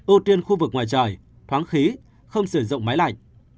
ưu tiên khu vực ngoài trời thoáng khí không sử dụng máy lạnh